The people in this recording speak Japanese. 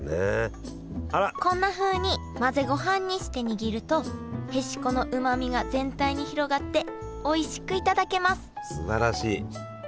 こんなふうに混ぜごはんにして握るとへしこのうまみが全体に広がっておいしく頂けます